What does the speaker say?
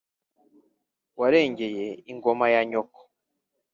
warengeye ingoma ya nyoko